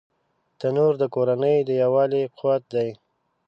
تنور د کورنۍ د یووالي قوت دی